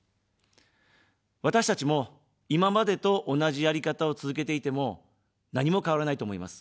私たちも、今までと同じやり方を続けていても何も変わらないと思います。